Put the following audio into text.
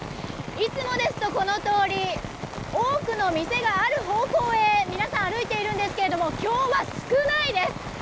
いつもですとこの通り多くの店がある方向へ皆さん、歩いているんですが今日は少ないです。